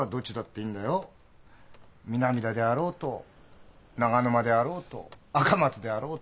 南田であろうと長沼であろうと赤松であろうと。